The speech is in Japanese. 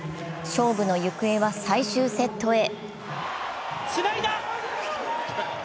勝負の行方は最終セットへ。